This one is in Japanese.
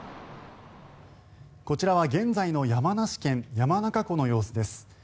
こちらは現在の山梨県・山中湖の様子です。